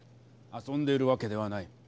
遊んでるわけではない。